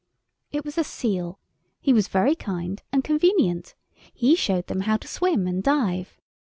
It was a seal. He was very kind and convenient. He showed them how to swim and dive.